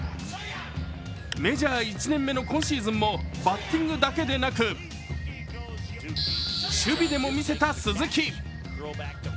メジャー１年目の今シーズンもバッティングだけでなく守備でも見せた鈴木。